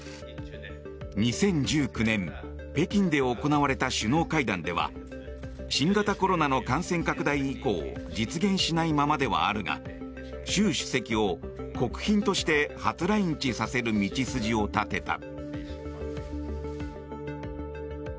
２０１９年北京で行われた首脳会談では新型コロナの感染拡大以降実現しないままではあるが習主席を国賓として初来日させる道筋を立てた。